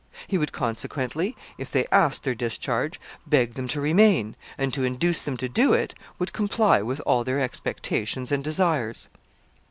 He would, consequently, if they asked their discharge, beg them to remain, and, to induce them to do it, would comply with all their expectations and desires.